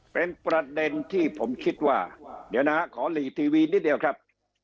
เป็นประเด็นที่ผมคิดว่าเดี๋ยวนะฮะขอหลีทีวีนิดเดียวครับ